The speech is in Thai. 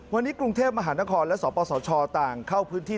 วันนี้กรุงเทพมหานครและสปสชต่างเข้าพื้นที่